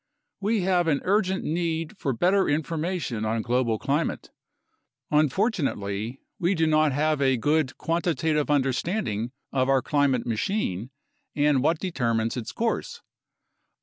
We have an urgent need for better information on global climate. Unfortunately, we do not have a good quantitative understanding of our climate machine and what deter mines its course.